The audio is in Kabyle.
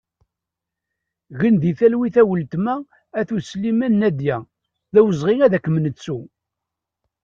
Gen di talwit a weltma At Usliman Nadya, d awezɣi ad kem-nettu!